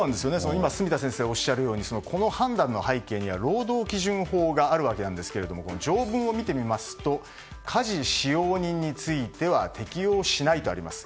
今住田先生がおっしゃるようにこの判断の背景には労働基準法があるわけなんですけれども条文を見てみますと家事使用人については適用しないとあります。